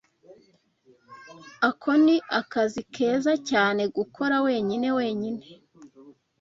Ako ni akazi keza cyane gukora wenyine wenyine.